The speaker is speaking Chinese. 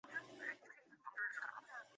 治所在今河北省遵化市。